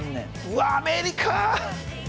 うわアメリカ！